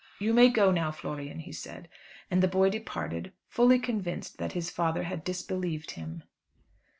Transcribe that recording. "You may go now, Florian," he said. And the boy departed, fully convinced that his father had disbelieved him.